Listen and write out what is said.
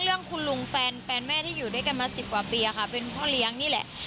เรื่องคุณลุงแฟนแม่ที่อยู่ด้วยกันมาสิบกว่าปีค่ะเป็นพ่อเลี้ยงนี่แหละ